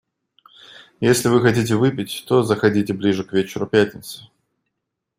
Если вы хотите выпить, то заходите ближе к вечеру пятницы.